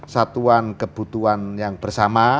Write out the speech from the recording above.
satuan kebutuhan yang bersama